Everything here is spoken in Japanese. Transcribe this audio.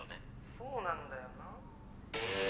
そうなんだよな。